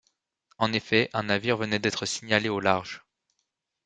En effet, un navire venait d’être signalé au large.